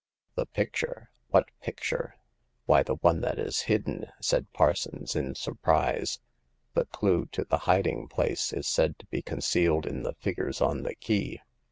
'* The picture ? What picture ?"Why, the one that is hidden," said Parsons in surprise. "The clue to the hiding place is said to be concealed in the figures on the key.